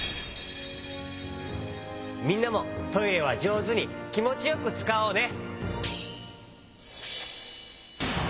みんなもトイレはじょうずにきもちよくつかおうね。